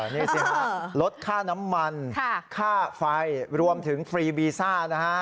นี่สิฮะลดค่าน้ำมันค่าไฟรวมถึงฟรีวีซ่านะฮะ